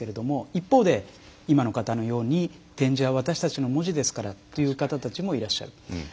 一方で今の方のように点字は私たちの文字ですからという方たちもいらっしゃる。